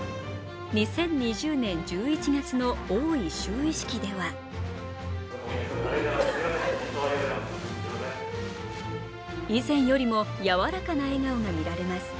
２０２０年１１月の王位就位式では以前よりもやわらかな笑顔が見られます。